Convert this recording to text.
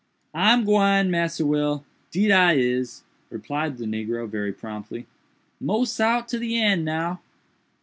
"I'm gwine, Massa Will—deed I is," replied the negro very promptly—"mos out to the eend now."